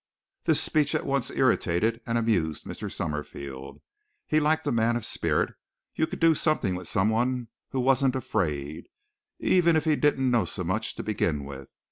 This speech at once irritated and amused Mr. Summerfield. He liked a man of spirit. You could do something with someone who wasn't afraid, even if he didn't know so much to begin with.